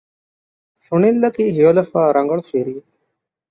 ސުނިލް އަކީ ހެޔޮލަފާ ރަނގަޅު ފިރިއެއް